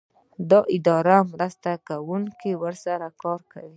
یو اداري مرسته کوونکی ورسره کار کوي.